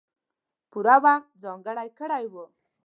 پوره وخت ځانګړی کړی وو.